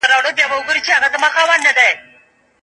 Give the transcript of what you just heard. ښوونکی پرون زده کوونکي وستایل.